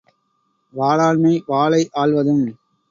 வாளாண்மை வாளை ஆள்வதும்.